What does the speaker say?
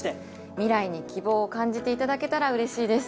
未来に希望を感じていただけたらうれしいです。